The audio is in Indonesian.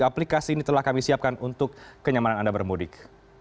aplikasi ini telah kami siapkan untuk kenyamanan anda bermudik